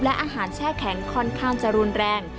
และอาหารแช่แข็งค่อนข้างจะรุนแรง